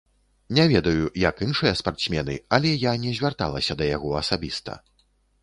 Не ведаю, як іншыя спартсмены, але я не звярталася да яго асабіста.